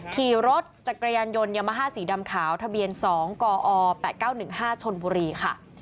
ขี่รถจักรยานยนต์ยามาฮ่าสีดำขาวทะเบียน๒กอ๘๙๑๕ชนบุรีค่ะ